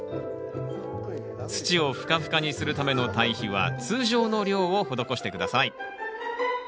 土をふかふかにするための堆肥は通常の量を施して下さい。